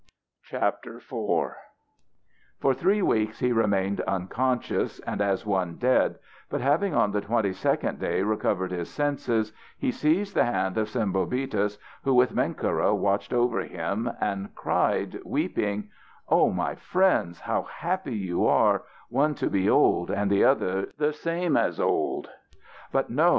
IV For three weeks he remained unconscious and as one dead, but having on the twenty second day recovered his senses, he seized the hand of Sembobitis, who, with Menkera, watched over him, and cried, weeping: "O, my friends, how happy you are, one to be old and the other the same as old. But no!